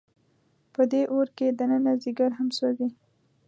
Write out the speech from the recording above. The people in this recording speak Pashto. په دې اور کې دننه ځیګر هم سوځي.